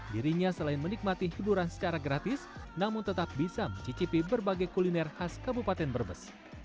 dirinya selain menikmati hiburan secara gratis namun tetap bisa mencicipi berbagai kuliner khas kabupaten brebes